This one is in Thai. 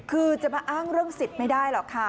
คือจะมาอ้างเรื่องสิทธิ์ไม่ได้หรอกค่ะ